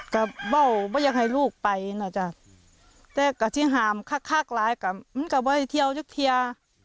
ค่ะบอกหูว่าอยากให้ลูกไปนะจ๊ะแต่ก็ที่เห็นค่ากหลายเนิ่งก็ไว้เที่ยวยังเที่ย